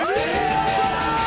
やったー！